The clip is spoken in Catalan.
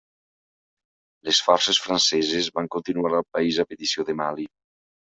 Les forces franceses van continuar al país a petició de Mali.